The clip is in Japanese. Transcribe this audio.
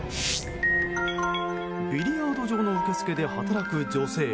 ビリヤード場の受付で働く女性。